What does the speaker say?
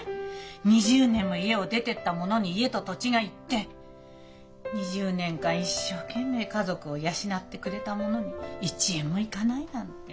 ２０年も家を出てった者に家と土地が行って２０年間一生懸命家族を養ってくれた者に１円も行かないなんて。